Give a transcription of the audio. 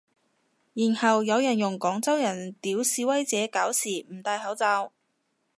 然後有人用廣州人屌示威者搞事唔戴口罩